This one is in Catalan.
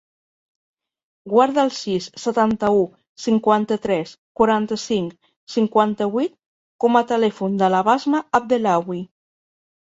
Guarda el sis, setanta-u, cinquanta-tres, quaranta-cinc, cinquanta-vuit com a telèfon de la Basma Abdellaoui.